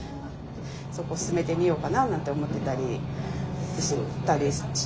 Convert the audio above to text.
そこ勧めてみようかななんて思ってたりしたりしてるんですけど。